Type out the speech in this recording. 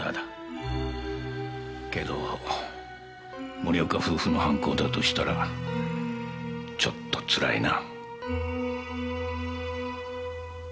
けど森岡夫婦の犯行だとしたらちょっとつらいな。